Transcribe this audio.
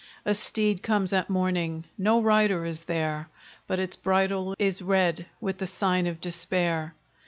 A steed comes at morning; no rider is there; But its bridle is red with the sign of despair.